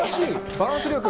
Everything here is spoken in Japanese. バランス力。